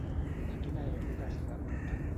A quina època es remunta?